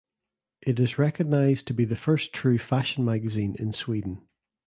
It is recognized to be the first true fashion magazine in Sweden.